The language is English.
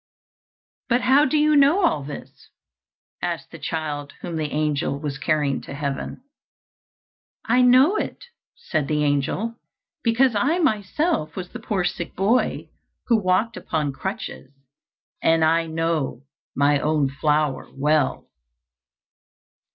"But how do you know all this?" asked the child whom the angel was carrying to heaven. "I know it," said the angel, "because I myself was the poor sick boy who walked upon crutches, and I know my own flower well."